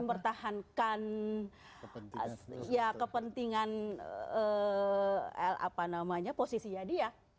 mempertahankan kepentingan posisinya dia